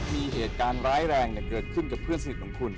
มีเหตุการณ์ร้ายแรงเกิดขึ้นกับเพื่อนสนิทของคุณ